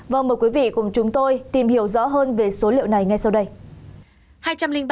vâng mời quý vị cùng chúng tôi tìm hiểu rõ hơn về số liệu này ngay sau đây